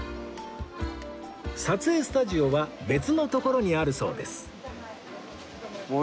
撮影スタジオは別の所にあるそうです